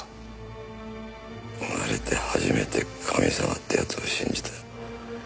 生まれて初めて神様ってやつを信じたよ。